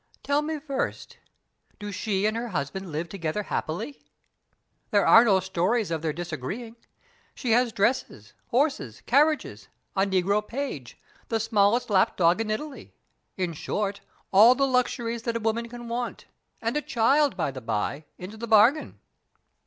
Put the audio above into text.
"Tell me first, do she and her husband live together happily?" "There are no stories of their disagreeing. She has dresses, horses, carriages; a negro page, the smallest lap dog in Italy in short, all the luxuries that a woman can want; and a child, by the by, into the bargain."